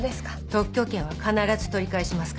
特許権は必ず取り返しますから。